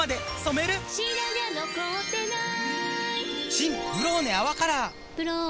新「ブローネ泡カラー」「ブローネ」